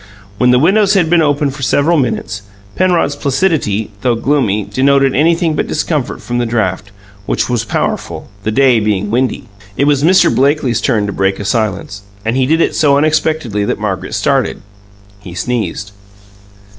When the windows had been open for several minutes, Penrod's placidity, though gloomy, denoted anything but discomfort from the draft, which was powerful, the day being windy. It was Mr. Blakely's turn to break a silence, and he did it so unexpectedly that Margaret started. He sneezed.